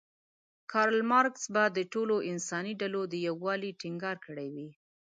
کارل مارکس به د ټولو انساني ډلو د یووالي ټینګار کړی وی.